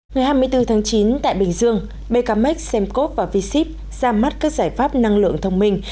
ngày hai mươi bốn tháng chín tại bình dương bkmex semcov và v ship ra mắt các giải pháp năng lượng thông minh